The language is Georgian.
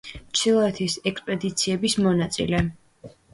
ჩრდილოეთის ექსპედიციების მონაწილე.